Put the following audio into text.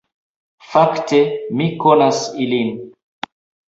Fakte, mi konas ilin